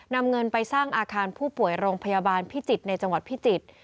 นำเงินไปสร้างอาคารผู้ป่วยโรงพยาบาลพิจิตรในจังหวัดพิจิตร